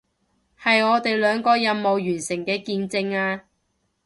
係我哋兩個任務完成嘅見證啊